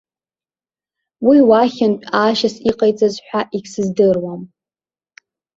Уи уахьынтә аашьас иҟаиҵаз ҳәа егьсыздыруам.